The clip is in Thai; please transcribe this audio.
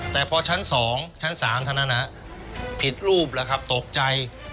แต่พอชั้นสองชั้นสามเท่านั้นฮะผิดรูปล่ะครับตกใจ